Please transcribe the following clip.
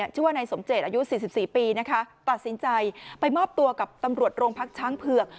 ชื่อว่านายสมเจตอายุ๔๔ปีนะคะตัดสินใจไปมอบตัวกับตำรวจโรงพักช้างเผือก